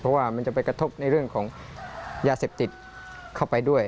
เพราะว่ามันจะไปกระทบในเรื่องของยาเสพติดเข้าไปด้วย